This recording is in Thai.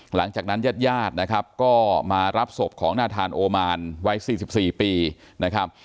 หลังจากนั้นญาติญาตินะครับก็มารับศพของนาธานโอมานวัย๔๔ปีนะครับ